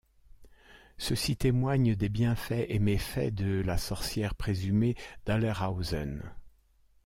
Ceux-ci témoignent des bienfaits et méfaits de la sorcière présumée d'Alerhausen.